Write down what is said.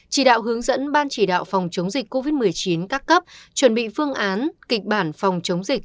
chỉ đạo hướng dẫn ban chỉ đạo phòng chống dịch covid một mươi chín các cấp chuẩn bị phương án kịch bản phòng chống dịch